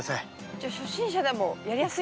じゃあ初心者でもやりやすい？